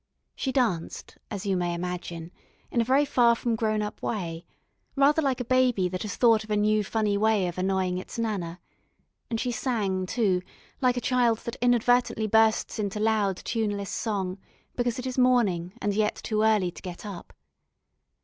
She danced, as you may imagine, in a very far from grown up way, rather like a baby that has thought of a new funny way of annoying its Nana; and she sang, too, like a child that inadvertently bursts into loud tuneless song, because it is morning and yet too early to get up.